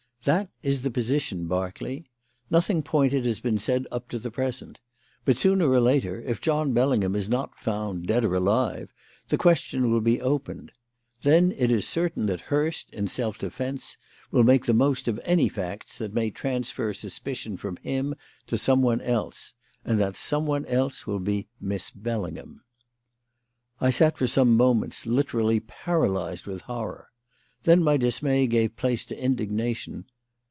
That is the position, Berkeley. Nothing pointed has been said up to the present. But, sooner or later, if John Bellingham is not found, dead or alive, the question will be opened. Then it is certain that Hurst, in self defence, will make the most of any facts that may transfer suspicion from him to someone else. And that someone else will be Miss Bellingham." I sat for some moments literally paralysed with horror. Then my dismay gave place to indignation.